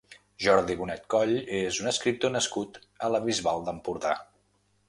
Jordi Bonet Coll és un escriptor nascut a la Bisbal d'Empordà.